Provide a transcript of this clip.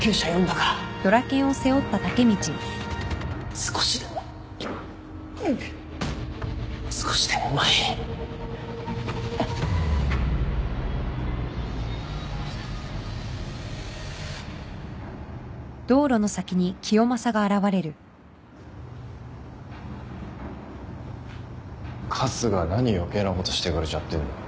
カスが何余計なことしてくれちゃってんの？